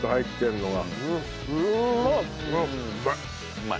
うまい。